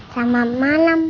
kita bubuk sudah malam